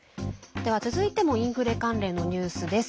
では、続いてもインフレ関連のニュースです。